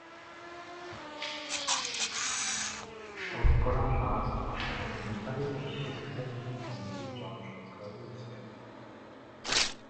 শতকরা হার অনুসারে, নেপাল বিশ্বের বৃহত্তম হিন্দু জনসংখ্যা রয়েছে।